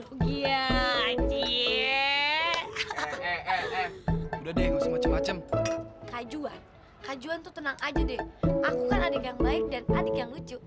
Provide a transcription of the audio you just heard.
udah deh semacam macam kajuan kajuan tuh tenang aja deh aku kan adik yang baik dan adik yang lucu